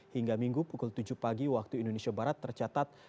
hingga minggu pukul tujuh pagi waktu indonesia barat tercatat